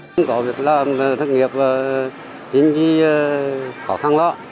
tôi có việc làm thất nghiệp chính vì khó khăn lõ